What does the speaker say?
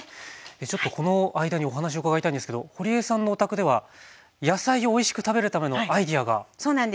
ちょっとこの間にお話伺いたいんですけどほりえさんのお宅では野菜をおいしく食べるためのアイデアがあるということで。